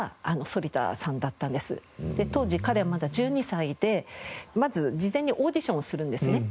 当時彼はまだ１２歳でまず事前にオーディションをするんですね